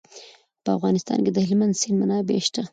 په افغانستان کې د هلمند سیند منابع شته.